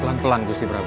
pelan pelan gusti prabu